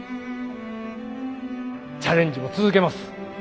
チャレンジも続けます。